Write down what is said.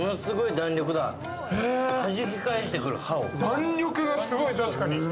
弾力がすごい確かに。